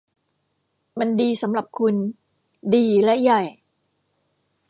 มันดีสำหรับคุณ -- ดีและใหญ่